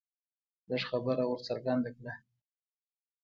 لږ خبره ور څرګنده کړه